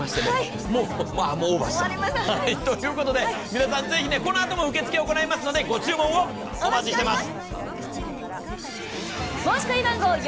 皆さんぜひこのあとも受け付けを行いますのでご注文をお待ちしております。